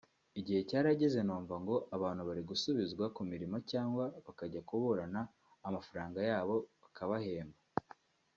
Igihe cyarageze numva ngo abantu bari gusubizwa ku mirimo cyangwa bakajya kuburana amafaranga yabo bakabahemba